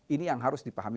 ini yang harus dipahami